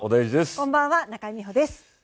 こんばんは中井美穂です。